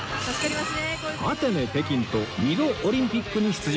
アテネ北京と２度オリンピックに出場